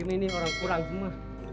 ini orang kurang semua